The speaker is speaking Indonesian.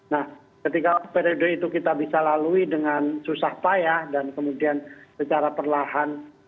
nah ketika periode itu kita bisa lalui dengan susah payah dan kemudian secara perlahan